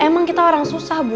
emang kita orang susah bu